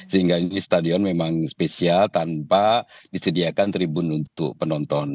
sehingga ini stadion memang spesial tanpa disediakan tribun untuk penonton